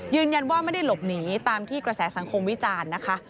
ยืนยันว่าไม่ได้หลบหนีตามที่กระแสสังคมวิจารณ์นะคะ